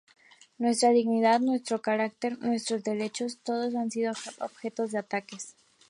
Nuestra dignidad, nuestro carácter, nuestros derechos todos han sido objeto de ataques.